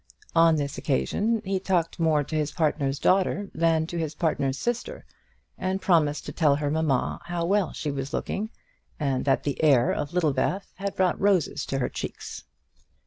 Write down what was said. On this occasion he talked more to his partner's daughter than to his partner's sister, and promised to tell her mamma how well she was looking, and that the air of Littlebath had brought roses to her cheeks.